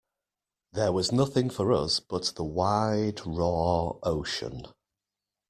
There was nothing for us but the wide raw ocean.